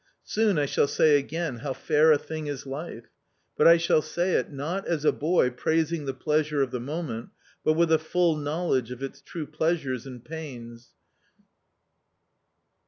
Soon I shall say again, how fair a thing is life ! But I shall say it, not as a N boy praising the pleasure of the moment, but with a full knowledge of its true pleasures and pajis.